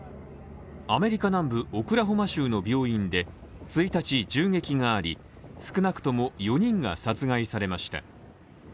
アメリカ南部オクラホマ州の病院で１日銃撃があり、少なくとも４人が殺害されました。